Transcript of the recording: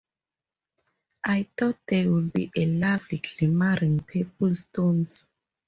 I thought they would be lovely glimmering purple stones.